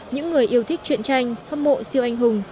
những người yêu thích chuyện tranh hâm mộ siêu anh hùng